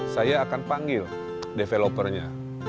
saya akan panggil developernya